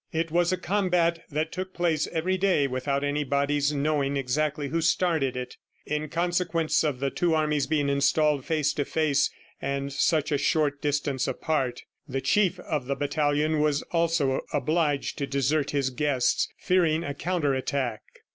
It was a combat that took place every day without anybody's knowing exactly who started it in consequence of the two armies being installed face to face, and such a short distance apart. ... The Chief of the battalion was also obliged to desert his guests, fearing a counter attack.